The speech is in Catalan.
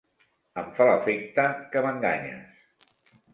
Em fa l'efecte que m'enganyes!